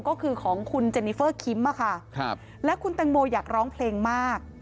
ก็คือของคุณเจนิเฟอร์คิมอะค่ะและคุณแตงโมอยากร้องเพลงมาก